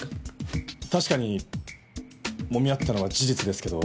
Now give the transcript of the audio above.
確かにもみあったのは事実ですけど。